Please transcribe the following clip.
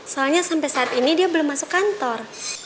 soalnya sampai saat ini dia belum masuk kantor